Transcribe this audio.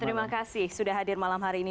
terima kasih sudah hadir malam hari ini